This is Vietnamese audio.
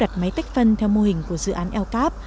lắp đặt máy tách phân theo mô hình của dự án el cap